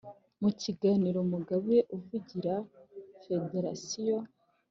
Mu kiganiro Mugabe uvugira federasiyo